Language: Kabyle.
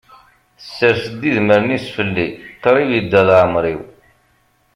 Tessers-d idmaren-is fell-i, qrib yedda laɛmer-iw.